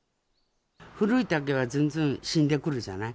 古い竹は死んでくるじゃない。